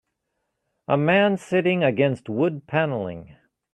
A man sitting against wood paneling.